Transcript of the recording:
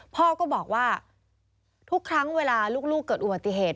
พ่อก็บอกว่าทุกครั้งเวลาลูกเกิดอุบัติเหตุ